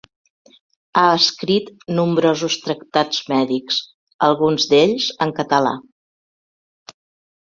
Ha escrit nombrosos tractats mèdics, alguns d'ells en català.